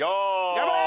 頑張れ！